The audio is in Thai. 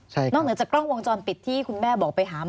ใช่ครับ